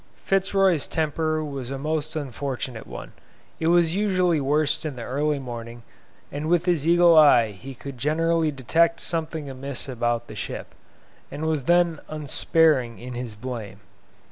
Fitz Roy's temper was a most unfortunate one. It was usually worst in the early morning, and with his eagle eye he could generally detect something amiss about the ship, and was then unsparing in his blame.